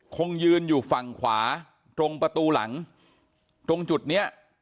คงยืนอยู่ฝั่งขวาตรงประตูหลังตรงจุดเนี้ย